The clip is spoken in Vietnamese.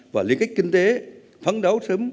và liên kết kinh tế phán đấu sớm